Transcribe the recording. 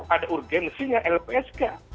ada urgensinya lpsk